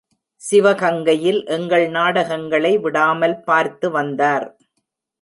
சிவகங்கையில் எங்கள் நாடகங்களை விடாமல் பார்த்து வந்தார்.